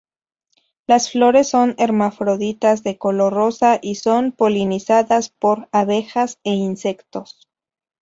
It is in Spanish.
Las flores son hermafroditas de color rosa y son polinizadas por abejas e insectos.